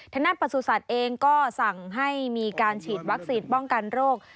นักประสุทธิ์เองก็สั่งให้มีการฉีดวัคซีนป้องกันโรค